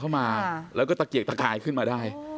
เข้ามาแล้วก็ตะเกียกตะกายขึ้นมาได้